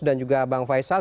dan juga bang faisal